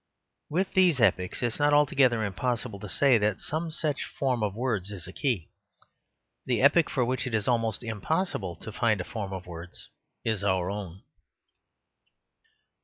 With these epochs it is not altogether impossible to say that some such form of words is a key. The epoch for which it is almost impossible to find a form of words is our own.